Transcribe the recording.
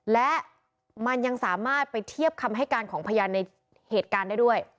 และมันยังสามารถไปเทียบคำให้การของพยานในเหตุการณ์ได้ด้วย